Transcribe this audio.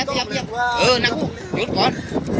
เกี๊ยปเออนักฟูหยุดก่อน